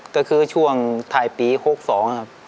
ก็คือช่วงท้ายปี๖๒นะครับ